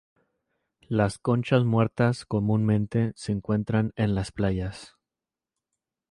Las conchas muertas comúnmente se encuentran en las playas.